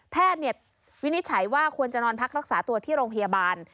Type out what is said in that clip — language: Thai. แพทย์วินิจฉัยว่าควรจะนอนพักรักษาตัวที่โรงพยาบาล